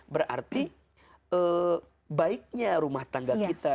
berarti baiknya rumah tangga kita